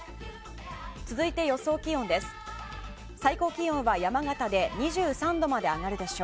続いて予想気温です。